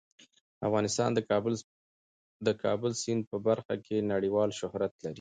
افغانستان د کابل سیند په برخه کې نړیوال شهرت لري.